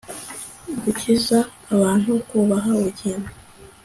gukiza abantu, no kubaha ubugingo